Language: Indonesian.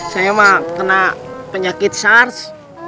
saya mah kena penyakit sars